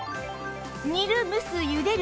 煮る蒸すゆでる